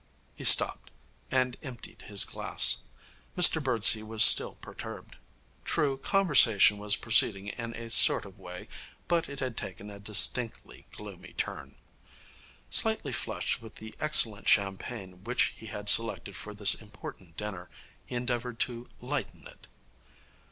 He stopped, and emptied his glass. Mr Birdsey was still perturbed. True, conversation was proceeding in a sort of way, but it had taken a distinctly gloomy turn. Slightly flushed with the excellent champagne which he had selected for this important dinner, he endeavoured to lighten it.